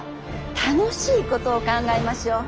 楽しいことを考えましょう。